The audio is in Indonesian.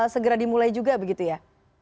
segera dimulai juga begitu ya